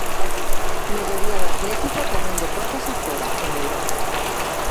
Melloría do Atlético tamén de portas a fora, en Europa.